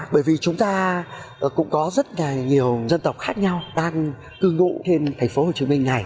bởi vì chúng ta cũng có rất nhiều dân tộc khác nhau đang cư ngụ trên thành phố hồ chí minh này